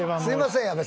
すいません。